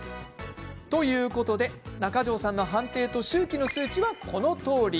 ということで中城さんの判定と臭気の数値は、このとおり。